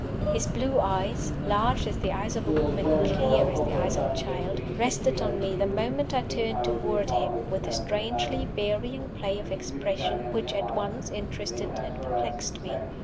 His blue eyes large as the eyes of a woman, clear as the eyes of a child rested on me the moment I turned toward him, with a strangely varying play of expression, which at once interested and perplexed me.